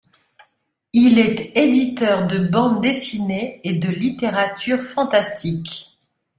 Il est éditeur de bandes dessinées et de littérature fantastique.